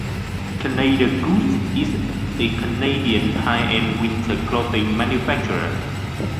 Canada Goose is a Canadian high-end winter clothing manufacturer.